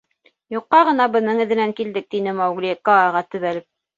— Юҡҡа ғына бының әҙенән килдек, — тине Маугли, Кааға төбәлеп.